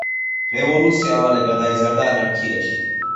რევოლუცია მალე გადაიზარდა ანარქიაში.